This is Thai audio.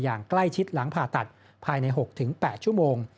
อย่างใกล้ชิดหลังผ่าตัดภายใน๖๘ชั่วโมง